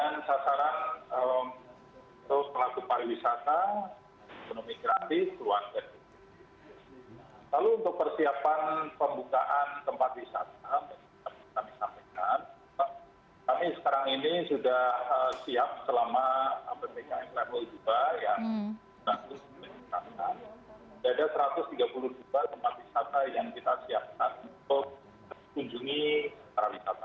nah setelah itu beberapa minggu kemudian kita turun level dan kita lihat adanya peningkatan yang cukup signifikan